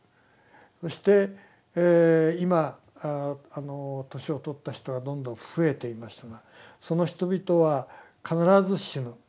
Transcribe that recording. そして今年を取った人がどんどん増えていますがその人々は必ず死ぬ。